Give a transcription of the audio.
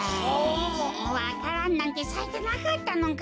わか蘭なんてさいてなかったのか。